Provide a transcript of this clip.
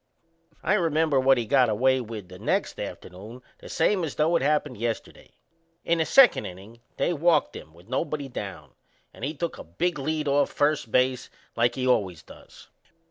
I remember what he got away with the next afternoon the same as though it happened yesterday. In the second innin' they walked him with nobody down, and he took a big lead off first base like he always does.